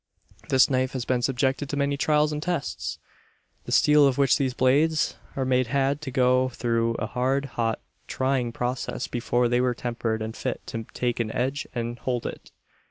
This knife has been subjected to many trials and tests. The steel of which these blades are made had to go through a hard, hot, trying process before they were tempered and fit to take an edge and hold it.